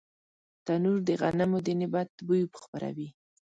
تنور د غنمو د نعمت بوی خپروي